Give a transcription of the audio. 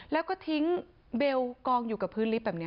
แล้วก็ทิ้งเบลกองอยู่กับพื้นลิฟต์แบบนี้